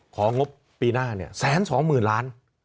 ของบปีหน้าเนี่ยแสนสองหมื่นล้าน